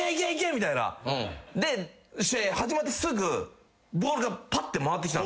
みたいな。で始まってすぐボールがパって回ってきたんですよ。